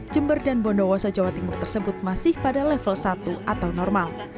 jember dan bondowoso jawa timur tersebut masih pada level satu atau normal